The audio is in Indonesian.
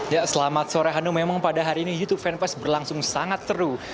ya selamat sore hanu memang pada hari ini youtube fan fest berlangsung sangat seru